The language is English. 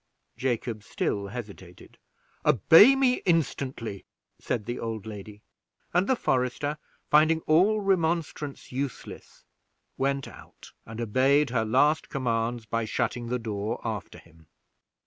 Jacob still hesitated. "Obey me instantly," said the old lady; and the forester, finding all remonstrance useless, went out, and obeyed her last commands by shutting the door after him.